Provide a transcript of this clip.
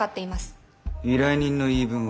依頼人の言い分は？